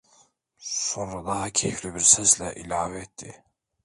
Sonra daha keyifli bir sesle ilave etti: